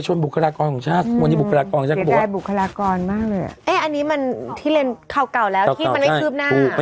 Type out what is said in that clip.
จบเกียรตินิยม